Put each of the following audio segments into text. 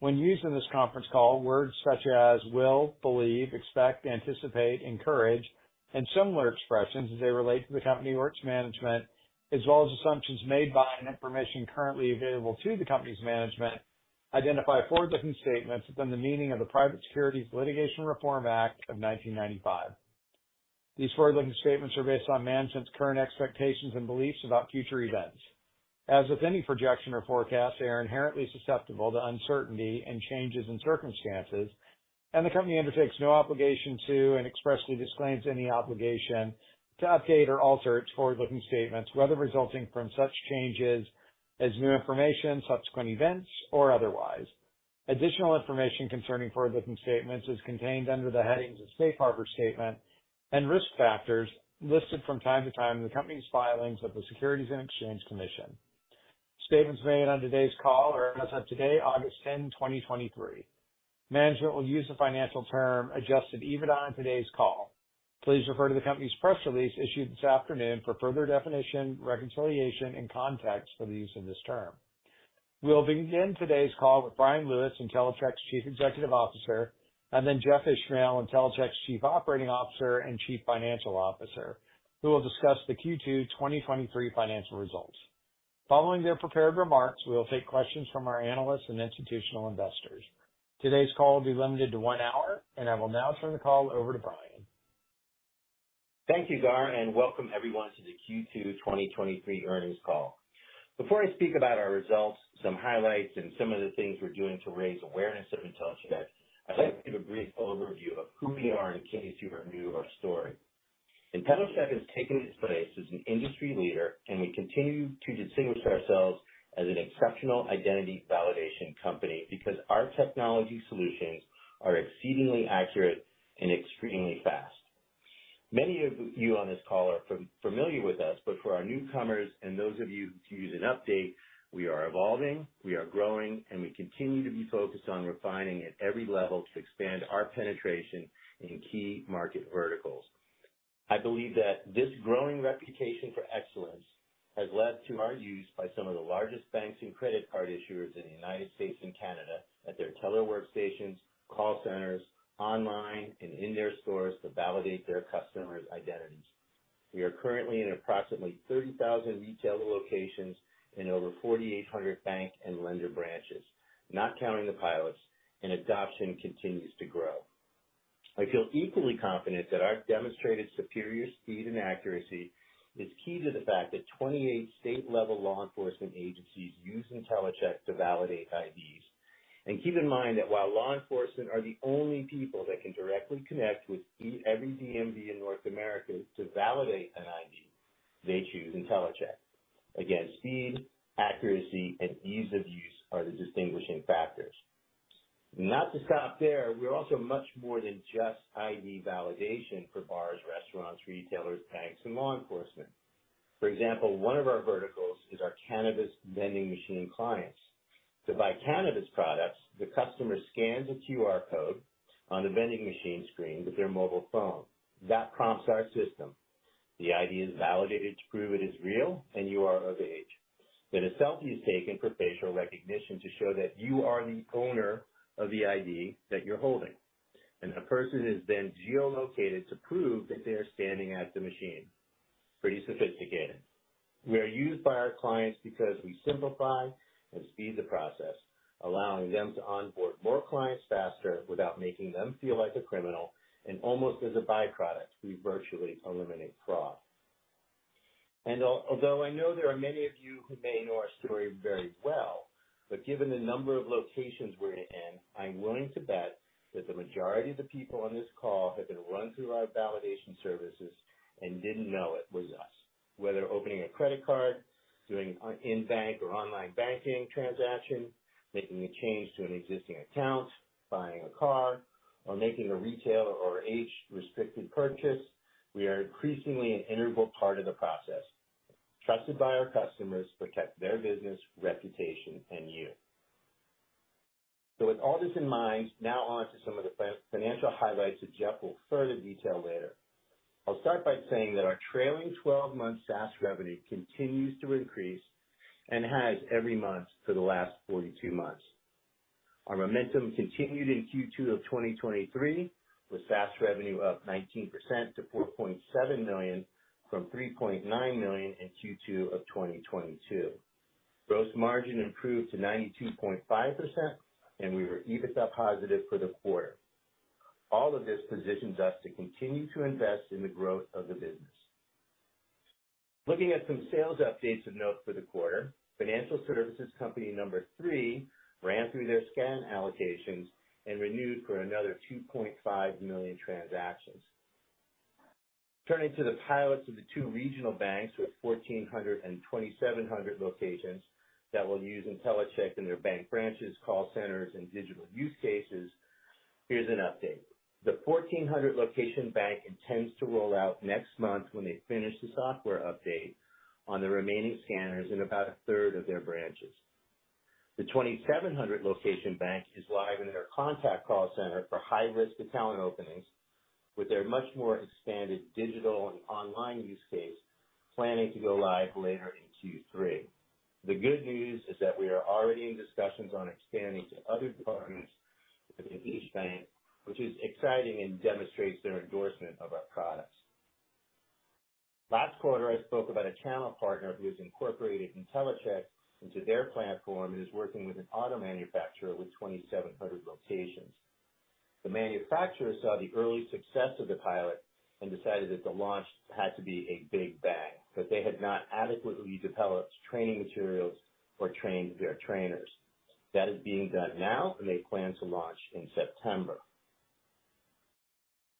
When used in this conference call, words such as will, believe, expect, anticipate, encourage, and similar expressions as they relate to the company or its management, as well as assumptions made by and information currently available to the company's management, identify forward-looking statements within the meaning of the Private Securities Litigation Reform Act of 1995. These forward-looking statements are based on management's current expectations and beliefs about future events. As with any projection or forecast, they are inherently susceptible to uncertainty and changes in circumstances, and the company undertakes no obligation to and expressly disclaims any obligation to update or alter its forward-looking statements, whether resulting from such changes as new information, subsequent events, or otherwise. Additional information concerning forward-looking statements is contained under the headings of Safe Harbor Statement and Risk Factors listed from time to time in the company's filings with the Securities and Exchange Commission. Statements made on today's call are as of today, August 10, 2023. Management will use the financial term Adjusted EBITDA on today's call. Please refer to the company's press release issued this afternoon for further definition, reconciliation, and context for the use of this term. We'll begin today's call with Bryan Lewis, Intellicheck's Chief Executive Officer, and then Jeffrey Ishmael, Intellicheck's Chief Operating Officer and Chief Financial Officer, who will discuss the Q2 2023 financial results. Following their prepared remarks, we will take questions from our analysts and institutional investors. Today's call will be limited to 1 hour. I will now turn the call over to Bryan. Thank you, Gar. Welcome everyone to the Q2 2023 earnings call. Before I speak about our results, some highlights, and some of the things we're doing to raise awareness of Intellicheck, I'd like to give a brief overview of who we are in case you are new to our story. Intellicheck has taken its place as an industry leader. We continue to distinguish ourselves as an exceptional identity validation company because our technology solutions are exceedingly accurate and extremely fast. Many of you on this call are fam- familiar with us, for our newcomers and those of you who could use an update, we are evolving, we are growing, and we continue to be focused on refining at every level to expand our penetration in key market verticals. I believe that this growing reputation for excellence has led to our use by some of the largest banks and credit card issuers in the United States and Canada at their teller workstations, call centers, online and in their stores to validate their customers' identities. We are currently in approximately 30,000 retailer locations and over 4,800 bank and lender branches, not counting the pilots, and adoption continues to grow. I feel equally confident that our demonstrated superior speed and accuracy is key to the fact that 28 state-level law enforcement agencies use Intellicheck to validate IDs. Keep in mind that while law enforcement are the only people that can directly connect with every DMV in North America to validate an ID, they choose Intellicheck. Again, speed, accuracy, and ease of use are the distinguishing factors. Not to stop there, we're also much more than just ID validation for bars, restaurants, retailers, banks, and law enforcement. For example, one of our verticals is our cannabis vending machine clients. To buy cannabis products, the customer scans a QR code on the vending machine screen with their mobile phone. Prompts our system. The ID is validated to prove it is real, and you are of age. A selfie is taken for facial recognition to show that you are the owner of the ID that you're holding, and the person is then geolocated to prove that they are standing at the machine. Pretty sophisticated. We are used by our clients because we simplify and speed the process, allowing them to onboard more clients faster without making them feel like a criminal, and almost as a byproduct, we virtually eliminate fraud. Although I know there are many of you who may know our story very well, but given the number of locations we're in, I'm willing to bet that the majority of the people on this call have been run through our validation services and didn't know it was us. Whether opening a credit card, doing an in-bank or online banking transaction, making a change to an existing account, buying a car, or making a retail or age-restricted purchase, we are increasingly an integral part of the process, trusted by our customers to protect their business, reputation, and you. With all this in mind, now on to some of the financial highlights that Jeff will further detail later. I'll start by saying that our trailing 12-month SaaS revenue continues to increase and has every month for the last 42 months. Our momentum continued in Q2 of 2023, with SaaS revenue up 19% to $4.7 million from $3.9 million in Q2 of 2022. Gross margin improved to 92.5%, and we were EBITDA positive for the quarter. All of this positions us to continue to invest in the growth of the business. Looking at some sales updates of note for the quarter, financial services company number three ran through their scan allocations and renewed for another $2.5 million transactions. Turning to the pilots of the two regional banks with 1,400 and 2,700 locations that will use Intellicheck in their bank branches, call centers, and digital use cases, here's an update: The 1,400 location bank intends to roll out next month when they finish the software update on the remaining scanners in about a third of their branches. The 2,700 location bank is live in their contact call center for high-risk account openings. with their much more expanded digital and online use case, planning to go live later in Q3. The good news is that we are already in discussions on expanding to other departments within each bank, which is exciting and demonstrates their endorsement of our products. Last quarter, I spoke about a channel partner who has incorporated Intellicheck into their platform and is working with an auto manufacturer with 2,700 locations. The manufacturer saw the early success of the pilot and decided that the launch had to be a big bang, but they had not adequately developed training materials or trained their trainers. That is being done now, and they plan to launch in September.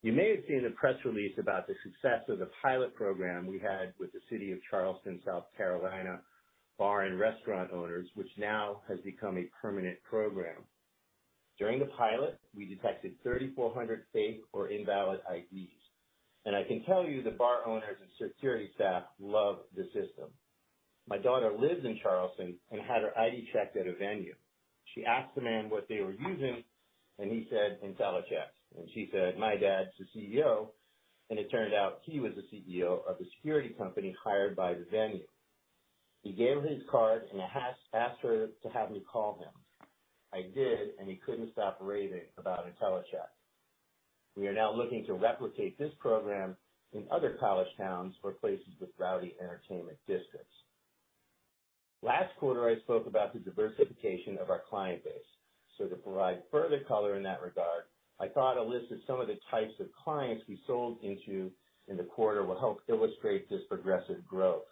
You may have seen a press release about the success of the pilot program we had with the city of Charleston, South Carolina, bar and restaurant owners, which now has become a permanent program. During the pilot, we detected 3,400 fake or invalid IDs, I can tell you the bar owners and security staff love the system. My daughter lives in Charleston and had her ID checked at a venue. She asked the man what they were using, He said, "Intellicheck." She said, "My dad's the CEO," It turned out he was the CEO of the security company hired by the venue. He gave her his card and asked her to have me call him. I did, He couldn't stop raving about Intellicheck. We are now looking to replicate this program in other college towns or places with rowdy entertainment districts. Last quarter, I spoke about the diversification of our client base. To provide further color in that regard, I thought a list of some of the types of clients we sold into in the quarter would help illustrate this progressive growth.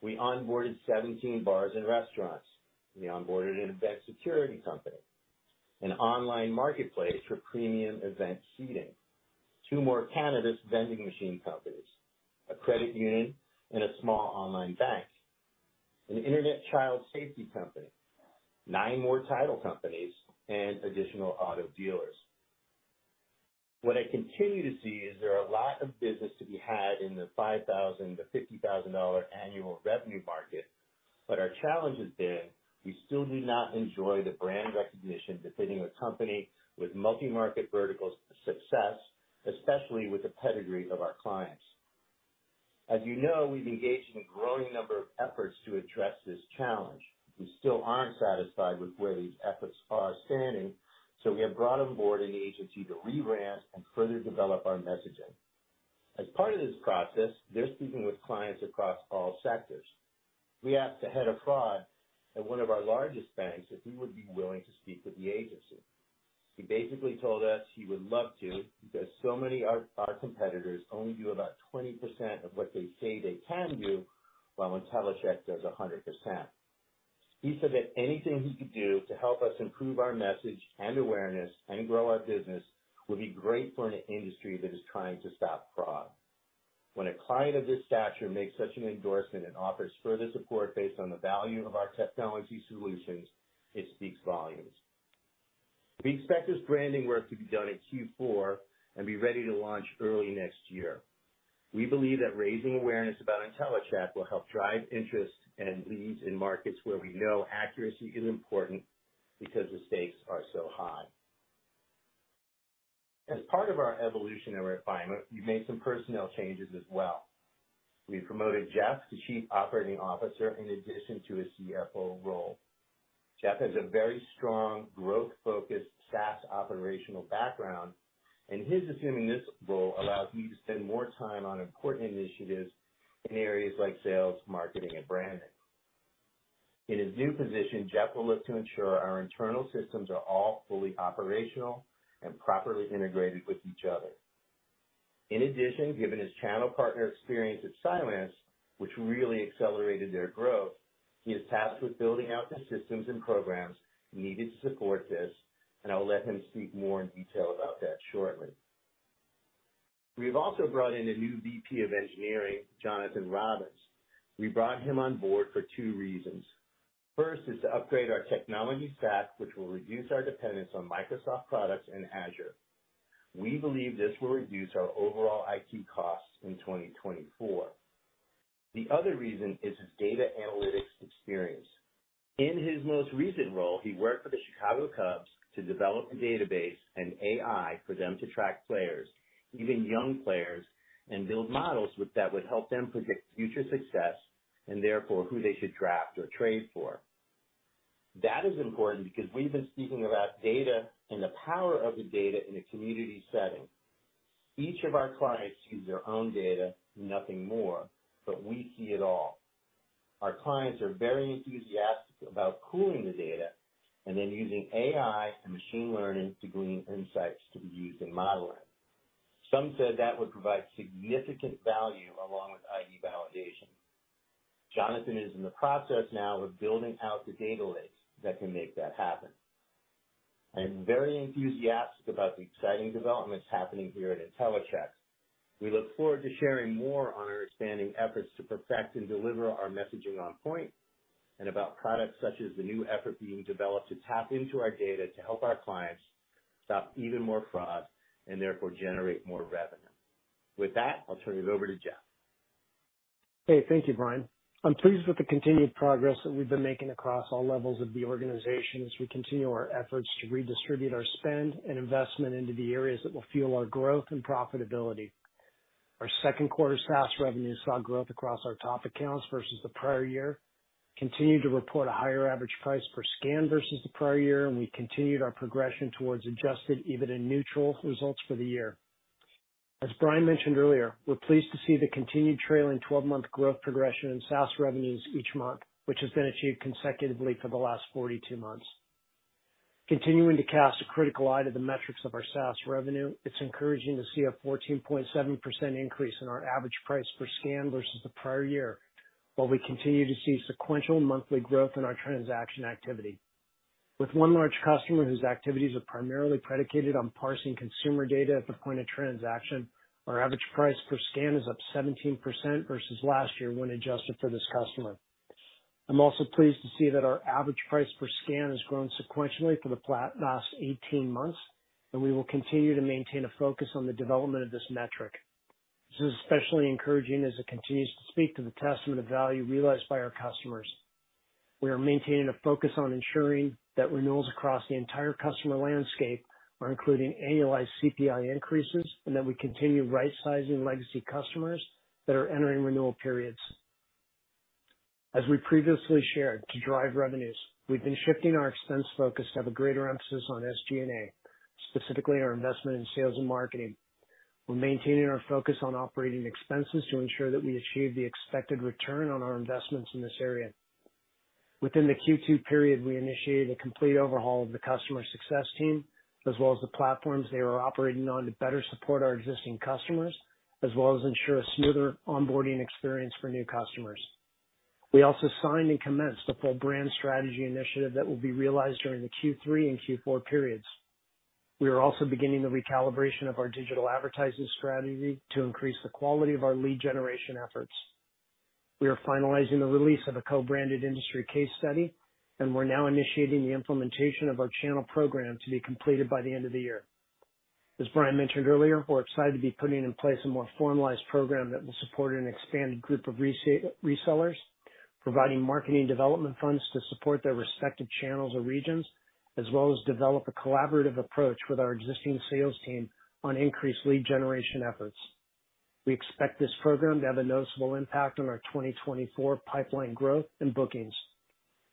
We onboarded 17 bars and restaurants. We onboarded an event security company, an online marketplace for premium event seating, 2 more cannabis vending machine companies, a credit union, and a small online bank, an internet child safety company, 9 more title companies, and additional auto dealers. What I continue to see is there are a lot of business to be had in the $5,000-$50,000 annual revenue market, but our challenge has been we still do not enjoy the brand recognition befitting a company with multi-market vertical success, especially with the pedigree of our clients. As you know, we've engaged in a growing number of efforts to address this challenge. We still aren't satisfied with where these efforts are standing, we have brought on board an agency to rebrand and further develop our messaging. As part of this process, they're speaking with clients across all sectors. We asked the head of fraud at one of our largest banks if he would be willing to speak with the agency. He basically told us he would love to, because so many our competitors only do about 20% of what they say they can do, while Intellicheck does 100%. He said that anything he could do to help us improve our message and awareness and grow our business would be great for an industry that is trying to stop fraud. When a client of this stature makes such an endorsement and offers further support based on the value of our technology solutions, it speaks volumes. We expect this branding work to be done in Q4 and be ready to launch early next year. We believe that raising awareness about Intellicheck will help drive interest and leads in markets where we know accuracy is important because the stakes are so high. As part of our evolution and refinement, we've made some personnel changes as well. We've promoted Jeff to Chief Operating Officer in addition to his CFO role. Jeff has a very strong growth-focused SaaS operational background, and his assuming this role allows me to spend more time on important initiatives in areas like sales, marketing, and branding. In his new position, Jeff will look to ensure our internal systems are all fully operational and properly integrated with each other. In addition, given his channel partner experience at Cylance, which really accelerated their growth, he is tasked with building out the systems and programs needed to support this, and I will let him speak more in detail about that shortly. We've also brought in a new VP of engineering, Jonathan Robins. We brought him on board for two reasons. First is to upgrade our technology stack, which will reduce our dependence on Microsoft products and Azure. We believe this will reduce our overall IT costs in 2024. The other reason is his data analytics experience. In his most recent role, he worked for the Chicago Cubs to develop a database and AI for them to track players, even young players, and build models with that would help them predict future success and therefore who they should draft or trade for. That is important because we've been speaking about data and the power of the data in a community setting. Each of our clients use their own data, nothing more, but we see it all. Our clients are very enthusiastic about pooling the data and then using AI and machine learning to glean insights to be used in modeling. Some said that would provide significant value along with ID validation. Jonathan is in the process now of building out the data lakes that can make that happen. I am very enthusiastic about the exciting developments happening here at Intellicheck. We look forward to sharing more on our expanding efforts to perfect and deliver our messaging on point, and about products such as the new effort being developed to tap into our data to help our clients stop even more fraud and therefore generate more revenue. With that, I'll turn it over to Jeff. Hey, thank you, Bryan. I'm pleased with the continued progress that we've been making across all levels of the organization as we continue our efforts to redistribute our spend and investment into the areas that will fuel our growth and profitability. Our second quarter SaaS revenue saw growth across our top accounts versus the prior year, continued to report a higher average price per scan versus the prior year. We continued our progression towards Adjusted EBITDA neutral results for the year. As Bryan mentioned earlier, we're pleased to see the continued trailing twelve-month growth progression in SaaS revenues each month, which has been achieved consecutively for the last 42 months. Continuing to cast a critical eye to the metrics of our SaaS revenue, it's encouraging to see a 14.7% increase in our average price per scan versus the prior year, while we continue to see sequential monthly growth in our transaction activity. With one large customer whose activities are primarily predicated on parsing consumer data at the point of transaction, our average price per scan is up 17% versus last year, when adjusted for this customer. I'm also pleased to see that our average price per scan has grown sequentially for the last 18 months, and we will continue to maintain a focus on the development of this metric. This is especially encouraging as it continues to speak to the testament of value realized by our customers. We are maintaining a focus on ensuring that renewals across the entire customer landscape are including annualized CPI increases, and that we continue right-sizing legacy customers that are entering renewal periods. As we previously shared, to drive revenues, we've been shifting our expense focus to have a greater emphasis on SG&A, specifically our investment in sales and marketing. We're maintaining our focus on operating expenses to ensure that we achieve the expected return on our investments in this area. Within the Q2 period, we initiated a complete overhaul of the customer success team, as well as the platforms they were operating on, to better support our existing customers, as well as ensure a smoother onboarding experience for new customers. We also signed and commenced a full brand strategy initiative that will be realized during the Q3 and Q4 periods. We are also beginning the recalibration of our digital advertising strategy to increase the quality of our lead generation efforts. We are finalizing the release of a co-branded industry case study, and we're now initiating the implementation of our channel program to be completed by the end of the year. As Bryan mentioned earlier, we're excited to be putting in place a more formalized program that will support an expanded group of resellers, providing marketing development funds to support their respective channels or regions, as well as develop a collaborative approach with our existing sales team on increased lead generation efforts. We expect this program to have a noticeable impact on our 2024 pipeline growth and bookings.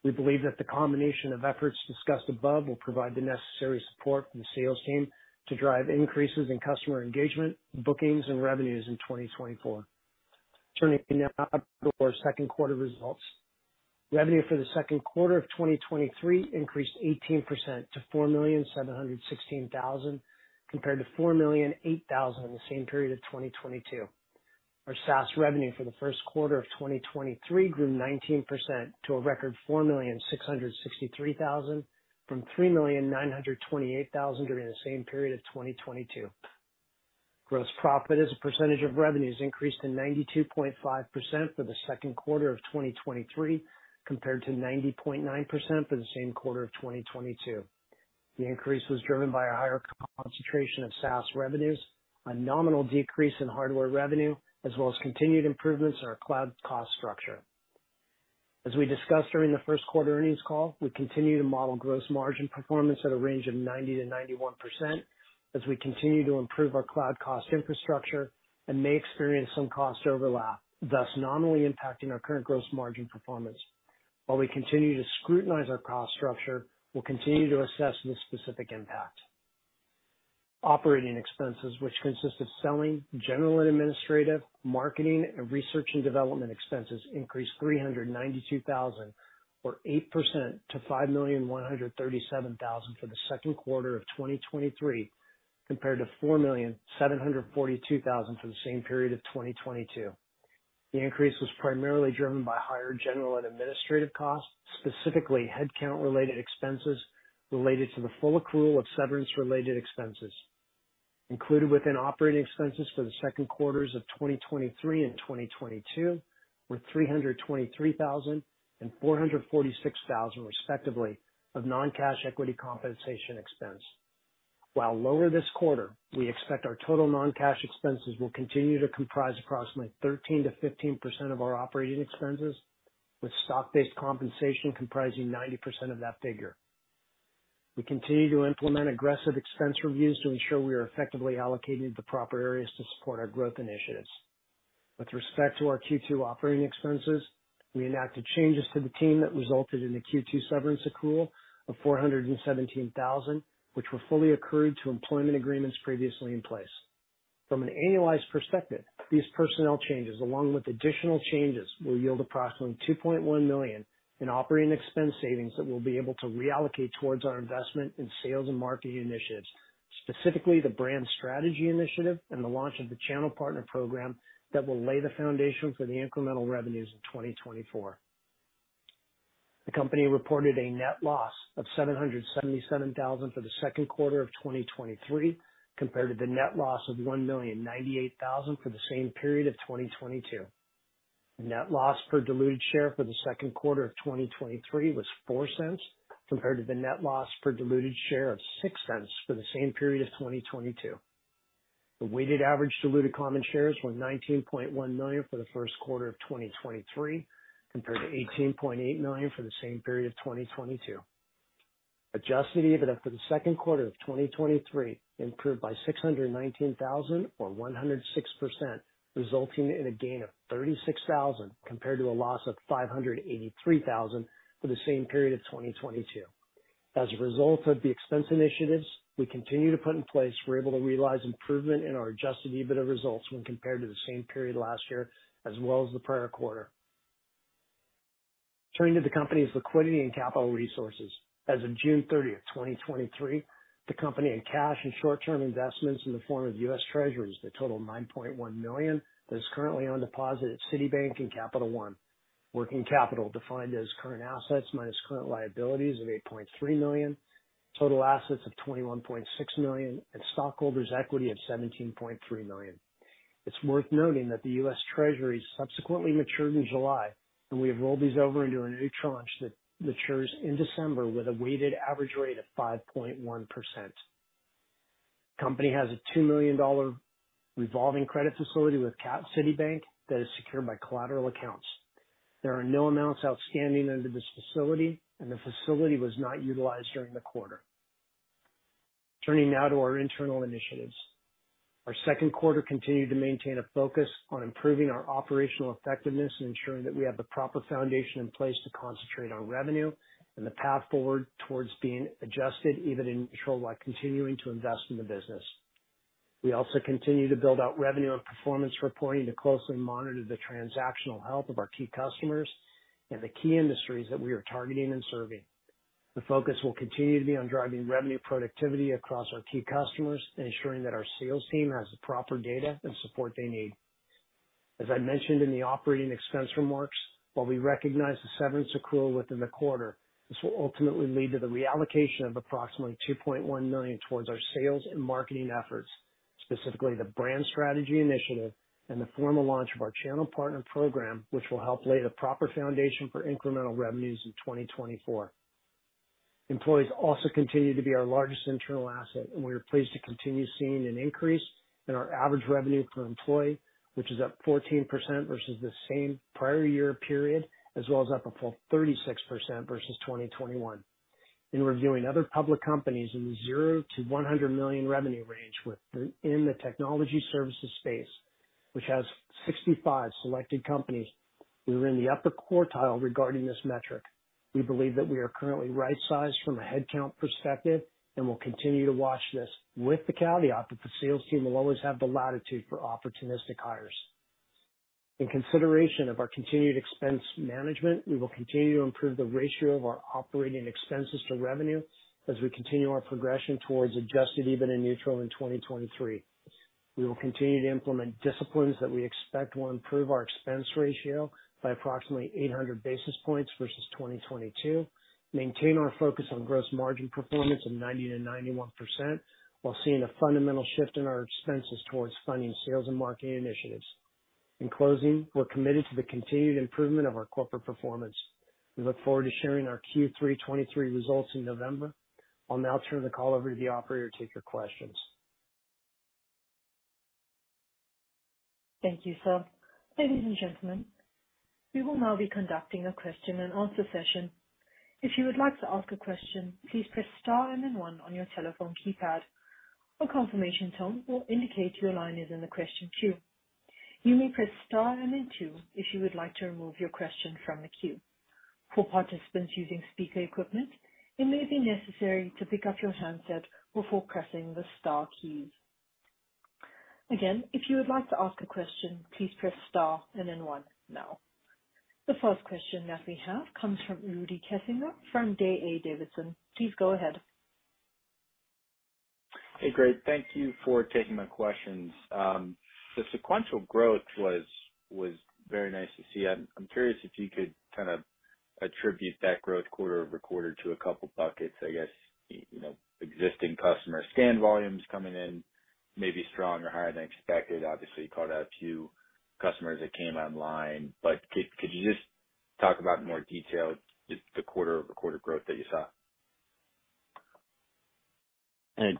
We believe that the combination of efforts discussed above will provide the necessary support for the sales team to drive increases in customer engagement, bookings, and revenues in 2024. Turning now to our second quarter results. Revenue for the second quarter of 2023 increased 18% to $4,716,000, compared to $4,008,000 in the same period of 2022. Our SaaS revenue for the first quarter of 2023 grew 19% to a record $4,663,000, from $3,928,000 during the same period of 2022. Gross profit as a percentage of revenues increased to 92.5% for the second quarter of 2023, compared to 90.9% for the same quarter of 2022. The increase was driven by a higher concentration of SaaS revenues, a nominal decrease in hardware revenue, as well as continued improvements in our cloud cost structure. As we discussed during the first quarter earnings call, we continue to model gross margin performance at a range of 90%-91% as we continue to improve our cloud cost infrastructure and may experience some cost overlap, thus nominally impacting our current gross margin performance. While we continue to scrutinize our cost structure, we'll continue to assess this specific impact. Operating Expenses, which consist of selling, General and Administrative, marketing, and Research and Development expenses, increased $392,000, or 8% to $5,137,000 for the second quarter of 2023, compared to $4,742,000 for the same period of 2022. The increase was primarily driven by higher General and Administrative costs, specifically headcount-related expenses related to the full accrual of severance-related expenses. Included within operating expenses for the second quarters of 2023 and 2022 were $323,000 and $446,000, respectively, of non-cash equity compensation expense. While lower this quarter, we expect our total non-cash expenses will continue to comprise approximately 13%-15% of our operating expenses, with stock-based compensation comprising 90% of that figure. We continue to implement aggressive expense reviews to ensure we are effectively allocating the proper areas to support our growth initiatives. With respect to our Q2 operating expenses, we enacted changes to the team that resulted in the Q2 severance accrual of $417,000, which were fully accrued to employment agreements previously in place. From an annualized perspective, these personnel changes, along with additional changes, will yield approximately $2.1 million in OpEx savings that we'll be able to reallocate towards our investment in sales and marketing initiatives, specifically the brand strategy initiative and the launch of the channel partner program that will lay the foundation for the incremental revenues in 2024. The company reported a net loss of $777,000 for the second quarter of 2023, compared to the net loss of $1,098,000 for the same period of 2022. The net loss per diluted share for the second quarter of 2023 was $0.04, compared to the net loss per diluted share of $0.06 for the same period of 2022. The weighted average diluted common shares were $19.1 million for the first quarter of 2023, compared to $18.8 million for the same period of 2022. Adjusted EBITDA for the second quarter of 2023 improved by $619,000, or 106%, resulting in a gain of $36,000 compared to a loss of $583,000 for the same period of 2022. As a result of the expense initiatives we continue to put in place, we're able to realize improvement in our Adjusted EBITDA results when compared to the same period last year, as well as the prior quarter. Turning to the company's liquidity and capital resources. As of June 30th, 2023, the company in cash and short-term investments in the form of U.S. Treasuries that total $9.1 million, that is currently on deposit at Citibank and Capital One. Working capital, defined as current assets minus current liabilities, of $8.3 million, total assets of $21.6 million, and stockholders' equity of $17.3 million. It's worth noting that the U.S. Treasuries subsequently matured in July, and we have rolled these over into a new tranche that matures in December with a weighted average rate of 5.1%. Company has a $2 million revolving credit facility with Citibank that is secured by collateral accounts. There are no amounts outstanding under this facility, and the facility was not utilized during the quarter. Turning now to our internal initiatives. Our second quarter continued to maintain a focus on improving our operational effectiveness and ensuring that we have the proper foundation in place to concentrate on revenue and the path forward towards being adjusted, even in control, while continuing to invest in the business. We also continue to build out revenue and performance reporting to closely monitor the transactional health of our key customers and the key industries that we are targeting and serving. The focus will continue to be on driving revenue productivity across our key customers and ensuring that our sales team has the proper data and support they need. As I mentioned in the operating expense remarks, while we recognize the severance accrual within the quarter, this will ultimately lead to the reallocation of approximately $2.1 million towards our sales and marketing efforts, specifically the brand strategy initiative and the formal launch of our channel partner program, which will help lay the proper foundation for incremental revenues in 2024. Employees also continue to be our largest internal asset, we are pleased to continue seeing an increase in our average revenue per employee, which is up 14% versus the same prior year period, as well as up a full 36% versus 2021. In reviewing other public companies in the $0-$100 million revenue range within the technology services space, which has 65 selected companies, we were in the upper quartile regarding this metric. We believe that we are currently right-sized from a headcount perspective and will continue to watch this with the caveat that the sales team will always have the latitude for opportunistic hires. In consideration of our continued expense management, we will continue to improve the ratio of our operating expenses to revenue as we continue our progression towards Adjusted EBITDA neutral in 2023. We will continue to implement disciplines that we expect will improve our expense ratio by approximately 800 basis points versus 2022, maintain our focus on gross margin performance of 90%-91%, while seeing a fundamental shift in our expenses towards funding sales and marketing initiatives. In closing, we're committed to the continued improvement of our corporate performance. We look forward to sharing our Q3 2023 results in November. I'll now turn the call over to the operator to take your questions. Thank you, sir. Ladies and gentlemen, we will now be conducting a question-and-answer session. If you would like to ask a question, please press star and then one on your telephone keypad. A confirmation tone will indicate your line is in the question queue. You may press star and then two if you would like to remove your question from the queue. For participants using speaker equipment, it may be necessary to pick up your handset before pressing the star key. Again, if you would like to ask a question, please press star and then 1 now. The first question that we have comes from Rudy Kessinger from D.A. Davidson. Please go ahead. Hey, great. Thank you for taking my questions. The sequential growth was, was very nice to see. I'm curious if you could kind of attribute that growth quarter-over-quarter to a 2 buckets, I guess, you know, existing customer scan volumes coming in maybe strong or higher than expected. Obviously, you called out a few customers that came online. Could you just talk about in more detail just the quarter-over-quarter growth that you saw?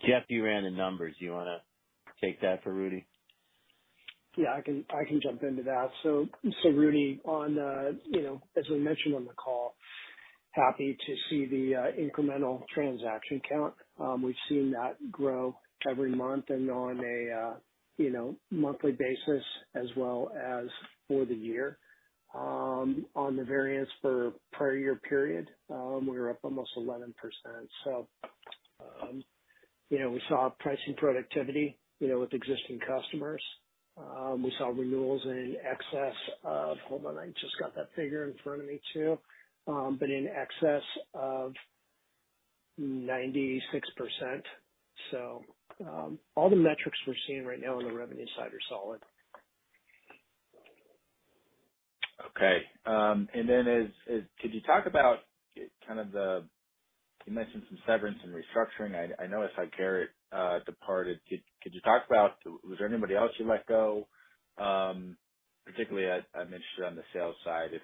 Jeff, you ran the numbers. You want to take that for Rudy? Yeah, I can jump into that. Rudy, on, you know, as we mentioned on the call, happy to see the incremental transaction count. We've seen that grow every month and on a, you know, monthly basis as well as for the year. On the variance for prior year period, we were up almost 11%. You know, we saw pricing productivity, you know, with existing customers. We saw renewals in excess of... Hold on, I just got that figure in front of me, too. But in excess of 96%. All the metrics we're seeing right now on the revenue side are solid. Okay, and then as -- could you talk about kind of the... You mentioned some severance and restructuring. I noticed how Garrett departed. Could you talk about, was there anybody else you let go? Particularly I'm interested on the sales side, if,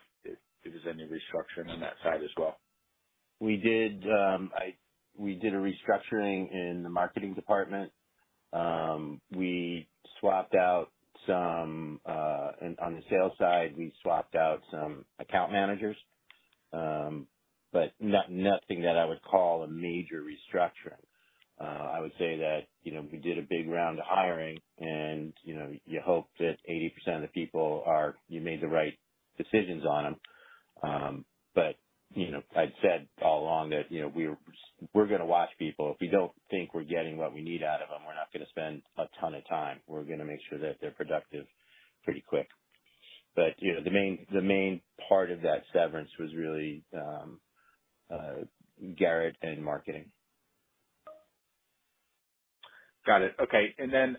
there was any restructuring on that side as well? We did a restructuring in the marketing department. We swapped out some, on the sales side, we swapped out some account managers. Nothing that I would call a major restructuring. I would say that, you know, we did a big round of hiring, and, you know, you hope that 80% of the people are you made the right decisions on them. You know, I'd said all along that, you know, we're, we're gonna watch people. If we don't think we're getting what we need out of them, we're not gonna spend a ton of time. We're gonna make sure that they're productive pretty quick. You know, the main, the main part of that severance was really, Garrett and marketing. Got it. Okay. Then,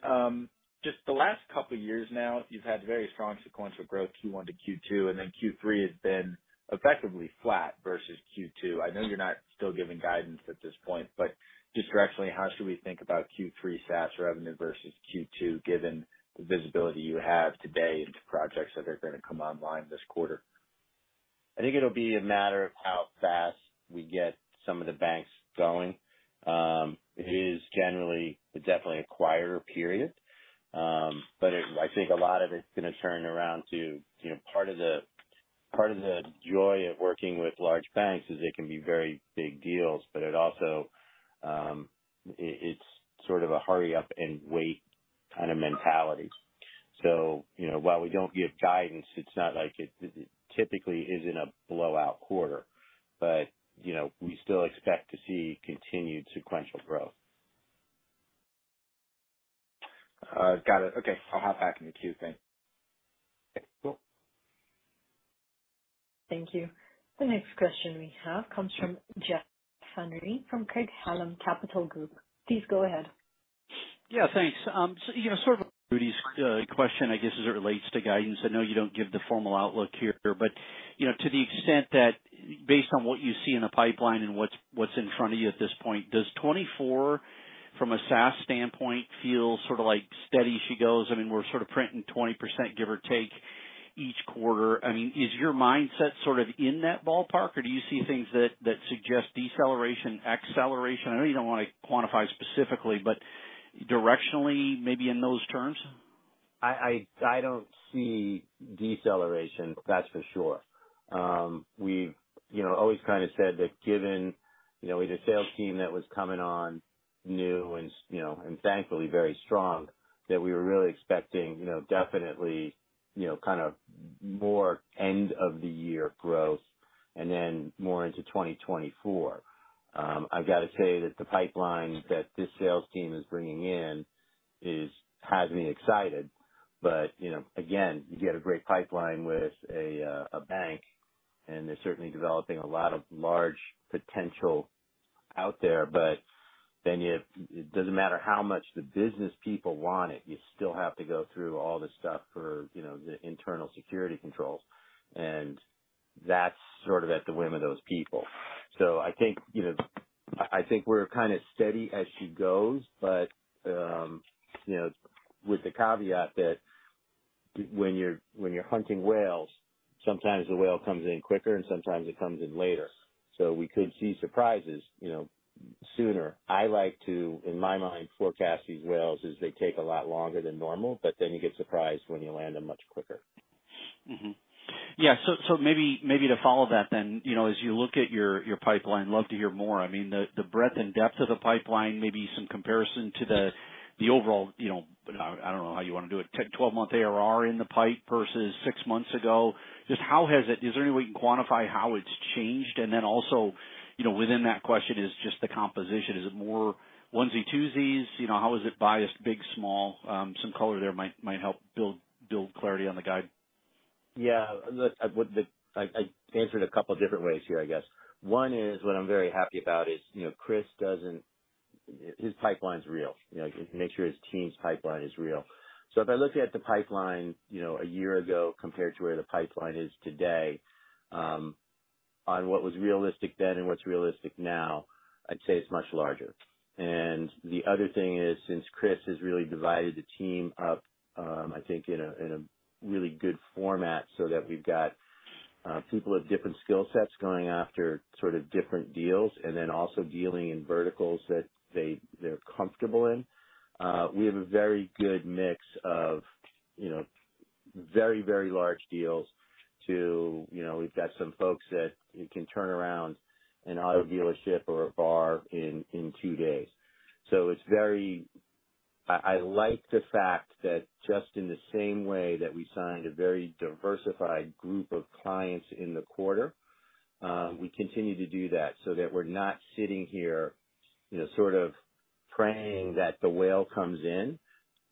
just the last couple years now, you've had very strong sequential growth, Q1 to Q2, and then Q3 has been effectively flat versus Q2. I know you're not still giving guidance at this point, but just directionally, how should we think about Q3 SaaS revenue versus Q2, given the visibility you have today into projects that are gonna come online this quarter? I think it'll be a matter of how fast we get some of the banks going. It is generally definitely a quieter period. But I think a lot of it's gonna turn around to, you know, part of the, part of the joy of working with large banks is they can be very big deals, but it also, it, it's sort of a hurry up and wait kind of mentality. You know, while we don't give guidance, it's not like it, it typically isn't a blowout quarter, but, you know, we still expect to see continued sequential growth. Got it. Okay. I'll hop back in the queue then. Okay, cool. Thank you. The next question we have comes from Jeff Van Sinderen from Craig-Hallum Capital Group. Please go ahead. Yeah, thanks. So, you know, sort of Rudy's question, I guess, as it relates to guidance. I know you don't give the formal outlook here, but, you know, to the extent that based on what you see in the pipeline and what's, what's in front of you at this point, does 2024, from a SaaS standpoint, feel sort of like steady as she goes? I mean, we're sort of printing 20%, give or take, each quarter. I mean, is your mindset sort of in that ballpark, or do you see things that, that suggest deceleration, acceleration? I know you don't want to quantify specifically, but directionally, maybe in those terms? I don't see deceleration, that's for sure. We've, you know, always kind of said that given, you know, with a sales team that was coming on new and, you know, and thankfully very strong, that we were really expecting, you know, definitely, you know, kind of more end of the year growth and then more into 2024. I've got to say that the pipeline that this sales team is bringing in has me excited, but, you know, again, you get a great pipeline with a, a bank, and they're certainly developing a lot of large potential out there, but it doesn't matter how much the business people want it, you still have to go through all the stuff for, you know, the internal security controls, and that's sort of at the whim of those people. I think, you know, I think we're kind of steady as she goes, but, you know, with the caveat that when you're, when you're hunting whales, sometimes the whale comes in quicker and sometimes it comes in later. We could see surprises, you know, sooner. I like to, in my mind, forecast these whales as they take a lot longer than normal, but then you get surprised when you land them much quicker. Mm-hmm. Yeah. Maybe, maybe to follow that then, you know, as you look at your, your pipeline, love to hear more. I mean the, the breadth and depth of the pipeline, maybe some comparison to the, the overall, you know, I, I don't know how you want to do it, 10, 12-month ARR in the pipe versus 6 months ago. Just how has it... Is there any way you can quantify how it's changed? Then also, you know, within that question is just the composition. Is it more onesie-twosies? You know, how is it biased? Big, small, some color there might, might help build, build clarity on the guide. Yeah. Look, I would -- I, I answered 2 different ways here, I guess. One is, what I'm very happy about is, you know, Chris doesn't... His pipeline's real. You know, he makes sure his team's pipeline is real. If I looked at the pipeline, you know, 1 year ago compared to where the pipeline is today, on what was realistic then and what's realistic now, I'd say it's much larger. The other thing is, since Chris has really divided the team up, I think in a, in a really good format, so that we've got people of different skill sets going after sort of different deals, and then also dealing in verticals that they're comfortable in. We have a very good mix of, you know, very, very large deals to, you know, we've got some folks that can turn around an auto dealership or a bar in 2 days. It's very... I, I like the fact that just in the same way that we signed a very diversified group of clients in the quarter, we continue to do that, so that we're not sitting here, you know, sort of praying that the whale comes in.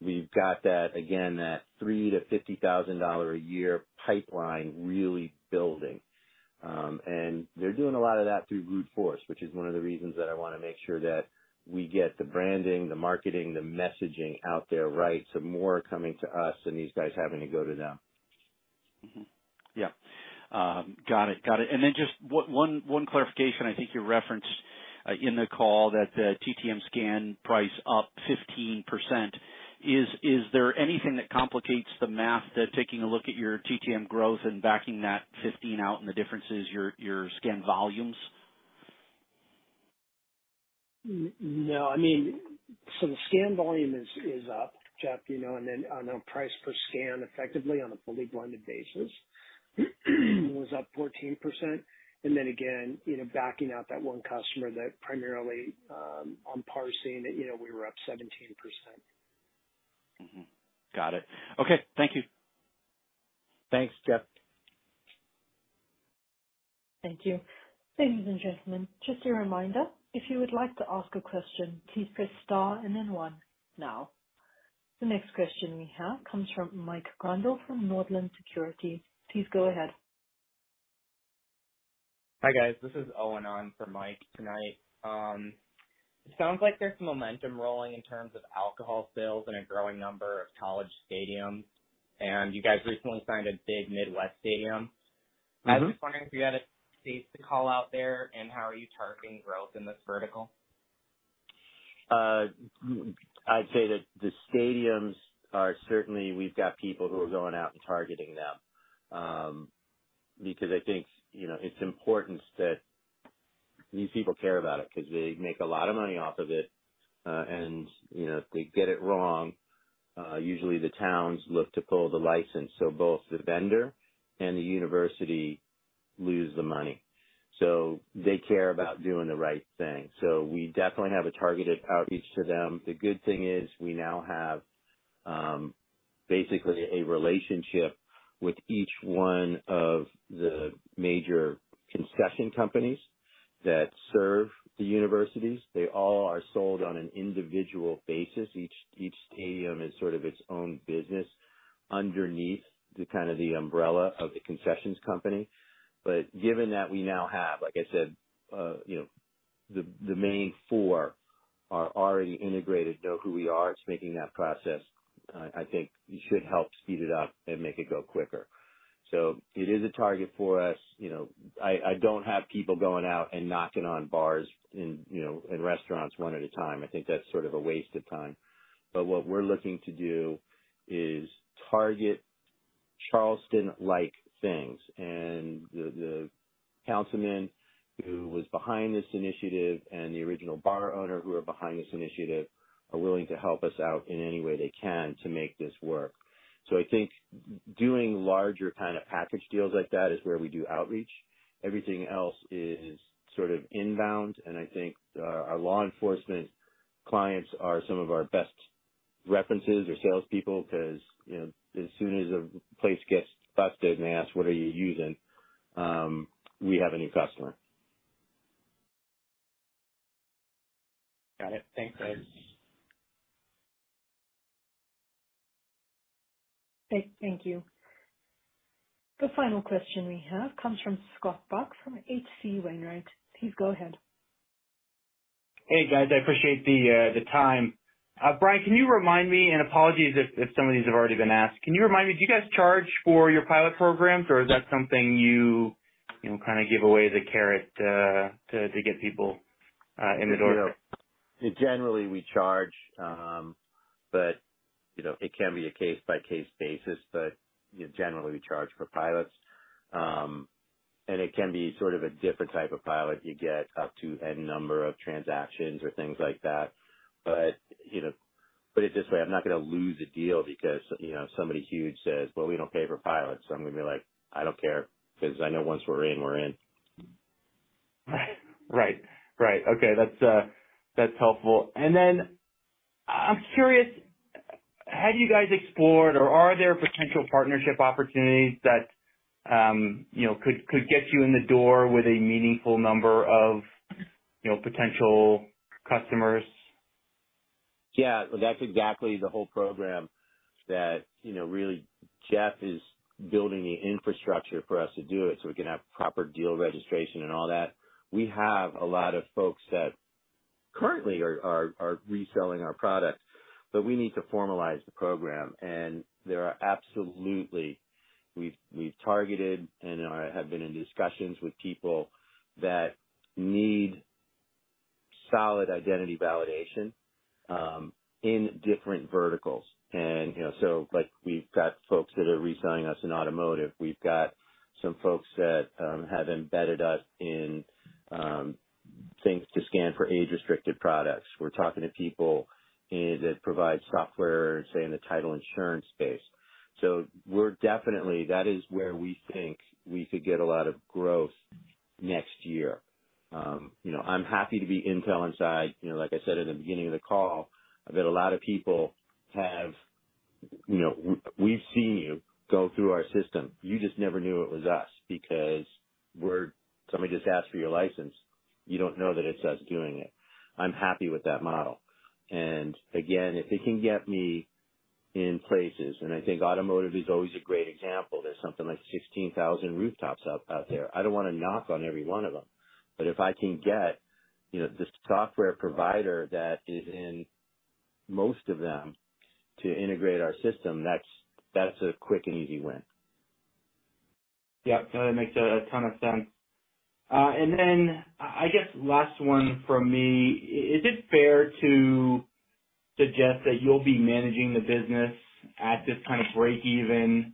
We've got that, again, that 3 to $50,000 a year pipeline really building. And they're doing a lot of that through brute force, which is one of the reasons that I want to make sure that we get the branding, the marketing, the messaging out there, right. More are coming to us than these guys having to go to them. Mm-hmm. Yeah. Got it. Got it. Then just one, one, one clarification, I think you referenced in the call that the TTM scan price up 15%. Is, is there anything that complicates the math that taking a look at your TTM growth and backing that 15 out, and the difference is your, your scan volumes? No. I mean, so the scan volume is up, Jeff, you know. Then on a price per scan, effectively on a fully blended basis, was up 14%. Again, you know, backing out that one customer that primarily on parsing, you know, we were up 17%. Mm-hmm. Got it. Okay. Thank you. Thanks, Jeff. Thank you. Ladies and gentlemen, just a reminder, if you would like to ask a question, please press star and then 1 now. The next question we have comes from Mike Grondahl from Northland Securities. Please go ahead. Hi, guys. This is Owen on for Mike tonight. It sounds like there's some momentum rolling in terms of alcohol sales in a growing number of college stadiums, and you guys recently signed a big Midwest stadium. Mm-hmm. I was just wondering if you had a safe call out there and how are you targeting growth in this vertical? I'd say that the stadiums are certainly, we've got people who are going out and targeting them. I think, you know, it's important that these people care about it because they make a lot of money off of it. You know, if they get it wrong, usually the towns look to pull the license, so both the vendor and the university lose the money. They care about doing the right thing. We definitely have a targeted outreach to them. The good thing is, we now have, basically a relationship with each one of the major concession companies that serve the universities. They all are sold on an individual basis. Each, each stadium is sort of its own business underneath the kind of the umbrella of the concessions company. Given that we now have, like I said, you know, the, the main four are already integrated, know who we are, it's making that process, I think should help speed it up and make it go quicker. It is a target for us. You know, I, I don't have people going out and knocking on bars and, you know, and restaurants one at a time. I think that's sort of a waste of time. What we're looking to do is target Charleston-like things, and the, the councilman who was behind this initiative and the original bar owner who are behind this initiative, are willing to help us out in any way they can to make this work. I think doing larger kind of package deals like that is where we do outreach. Everything else is sort of inbound, and I think, our law enforcement clients are some of our best references or salespeople because, you know, as soon as a place gets busted and they ask: "What are you using?" we have a new customer. Got it. Thanks, guys. Okay. Thank you. The final question we have comes from Scott Buck from H.C. Wainwright. Please go ahead. Hey, guys, I appreciate the time. Bryan, can you remind me, and apologies if, if some of these have already been asked. Can you remind me, do you guys charge for your pilot programs, or is that something you, you know, kind of give away as a carrot to get people in the door? Generally, we charge, but, you know, it can be a case-by-case basis, but, you know, generally we charge for pilots. It can be sort of a different type of pilot. You get up to n number of transactions or things like that. You know, put it this way, I'm not going to lose a deal because, you know, somebody huge says: "Well, we don't pay for pilots." I'm going to be like, "I don't care," because I know once we're in, we're in. Right. Right. Okay. That's helpful. I'm curious, have you guys explored or are there potential partnership opportunities that, you know, could, could get you in the door with a meaningful number of, you know, potential customers? Yeah, that's exactly the whole program that, you know, really Jeff is building the infrastructure for us to do it, so we can have proper deal registration and all that. We have a lot of folks that currently are reselling our products, but we need to formalize the program. There are absolutely. We've targeted and have been in discussions with people that need solid identity validation in different verticals. You know, so like we've got folks that are reselling us in automotive. We've got some folks that have embedded us in things to scan for age-restricted products. We're talking to people that provide software, say, in the title insurance space. We're definitely, that is where we think we could get a lot of growth next year. You know, I'm happy to be Intel Inside. You know, like I said at the beginning of the call, I've got a lot of people. You know, we've seen you go through our system. You just never knew it was us, because somebody just asked for your license. You don't know that it's us doing it. I'm happy with that model. Again, if it can get me in places, and I think automotive is always a great example, there's something like 16,000 rooftops out there. If I can get, you know, the software provider that is in most of them to integrate our system, that's a quick and easy win. Yep, no, that makes a, a ton of sense. Then I, I guess last one from me. Is it fair to suggest that you'll be managing the business at this kind of breakeven,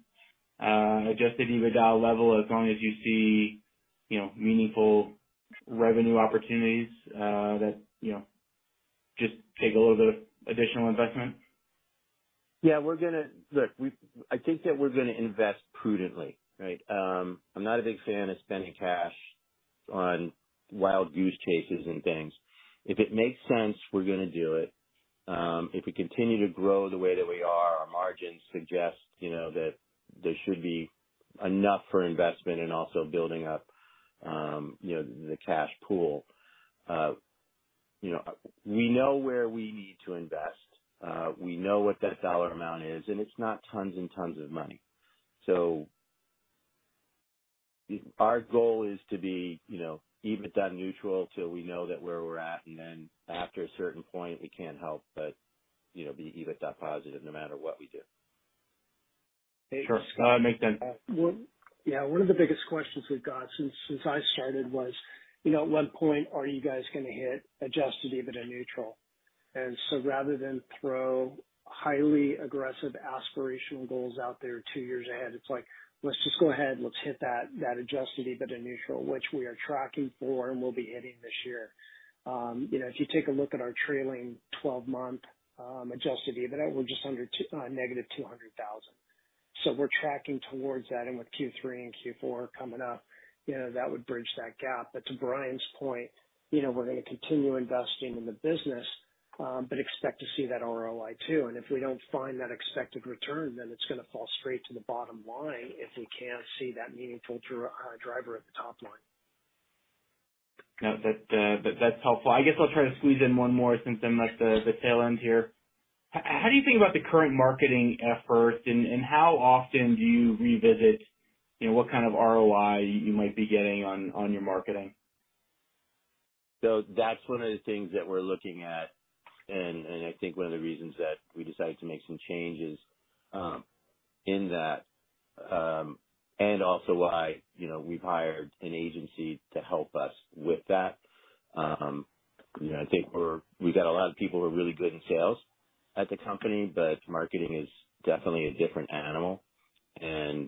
Adjusted EBITDA level, as long as you see, you know, meaningful revenue opportunities, that, you know, just take a little bit of additional investment? Yeah, we're gonna Look, I think that we're gonna invest prudently, right? I'm not a big fan of spending cash on wild use cases and things. If it makes sense, we're gonna do it. If we continue to grow the way that we are, our margins suggest, you know, that there should be enough for investment and also building up, you know, the cash pool. You know, we know where we need to invest. We know what that dollar amount is, and it's not tons and tons of money. Our goal is to be, you know, EBITDA neutral till we know that where we're at, and then after a certain point, we can't help but, you know, be EBITDA positive no matter what we do. Sure, makes sense. Well, yeah. One of the biggest questions we've got since, since I started was, you know, at what point are you guys gonna hit Adjusted EBITDA neutral? Rather than throw highly aggressive aspirational goals out there 2 years ahead, it's like, let's just go ahead, let's hit that, that Adjusted EBITDA neutral, which we are tracking for and will be hitting this year. You know, if you take a look at our trailing 12-month Adjusted EBITDA, we're just under -$200,000. We're tracking towards that. With Q3 and Q4 coming up, you know, that would bridge that gap. To Bryan's point, you know, we're gonna continue investing in the business, but expect to see that ROI too. If we don't find that expected return, then it's gonna fall straight to the bottom line if we can't see that meaningful driver at the top line. No, that, that's helpful. I guess I'll try to squeeze in one more since I'm at the, the tail end here. How do you think about the current marketing efforts and, and how often do you revisit, you know, what kind of ROI you might be getting on, on your marketing? That's one of the things that we're looking at, and, and I think one of the reasons that we decided to make some changes in that. Also why, you know, we've hired an agency to help us with that. You know, I think we're, we've got a lot of people who are really good in sales at the company, but marketing is definitely a different animal. You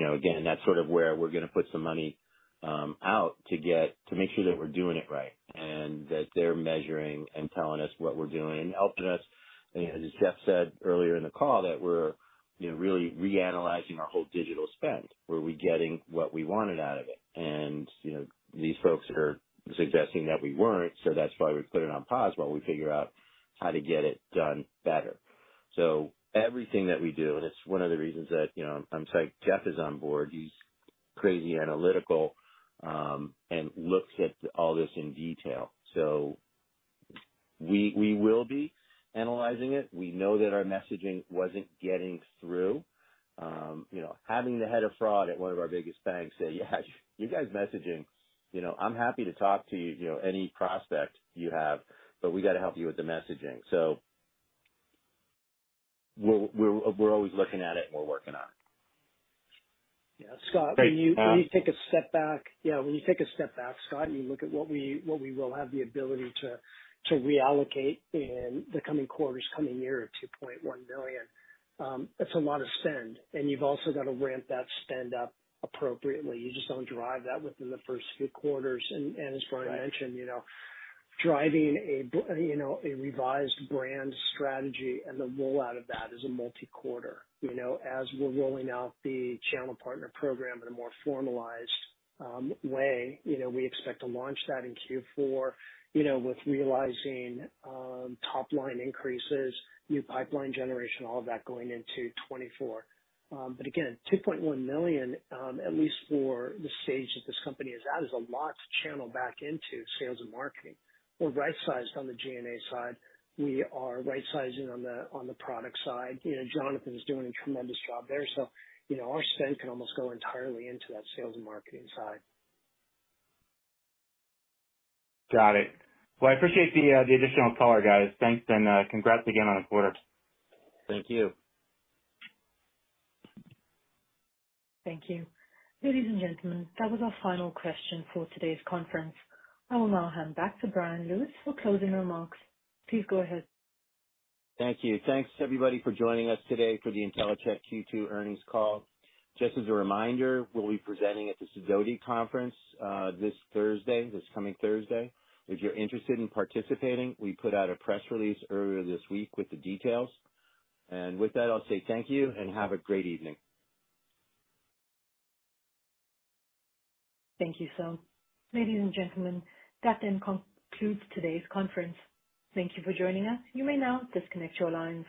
know, again, that's sort of where we're gonna put some money to make sure that we're doing it right and that they're measuring and telling us what we're doing and helping us, you know, as Jeff said earlier in the call, that we're, you know, really reanalyzing our whole digital spend. Were we getting what we wanted out of it? You know, these folks are suggesting that we weren't. That's why we put it on pause while we figure out how to get it done better. Everything that we do, and it's one of the reasons that, you know, I'm psyched Jeff is on board. He's crazy analytical, and looks at all this in detail. We, we will be analyzing it. We know that our messaging wasn't getting through. You know, having the head of fraud at one of our biggest banks say, "Yeah, you guys' messaging, you know, I'm happy to talk to you, you know, any prospect you have, but we got to help you with the messaging." We're, we're, we're always looking at it, and we're working on it. Yeah, Scott, when you- Uh. When you take a step back, yeah, when you take a step back, Scott, and you look at what we, what we will have the ability to, to reallocate in the coming quarters, coming year of $2.1 million, that's a lot of spend. You've also got to ramp that spend up appropriately. You just don't drive that within the first few quarters. As Bryan mentioned, you know, driving a you know, a revised brand strategy and the rollout of that is a multi-quarter. You know, as we're rolling out the channel partner program in a more formalized way, you know, we expect to launch that in Q4, you know, with realizing top-line increases, new pipeline generation, all of that going into 2024. Again, $2.1 million, at least for the stage that this company is at, is a lot to channel back into sales and marketing. We're right-sized on the G&A side. We are right-sizing on the, on the product side. You know, Jonathan is doing a tremendous job there, you know, our spend can almost go entirely into that sales and marketing side. Got it. Well, I appreciate the additional color, guys. Thanks, and congrats again on the quarter. Thank you. Thank you. Ladies and gentlemen, that was our final question for today's conference. I will now hand back to Bryan Lewis for closing remarks. Please go ahead. Thank you. Thanks, everybody, for joining us today for the Intellicheck Q2 earnings call. Just as a reminder, we'll be presenting at the Sidoti conference, this Thursday, this coming Thursday. If you're interested in participating, we put out a press release earlier this week with the details. With that, I'll say thank you and have a great evening. Thank you, sir. Ladies and gentlemen, that then concludes today's conference. Thank you for joining us. You may now disconnect your lines.